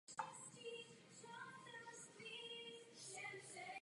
Byl členem místní odbočky spolku Verein für Geschichte der Deutschen in Böhmen.